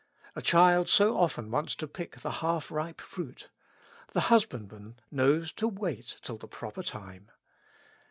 A child so often wants to pick the half ripe fruit; the husbandman knows to wait till the proper time.